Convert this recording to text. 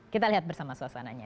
kita lihat bersama suasananya